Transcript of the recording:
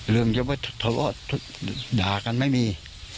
เรื่องทะเลาะด่ากันไม่มี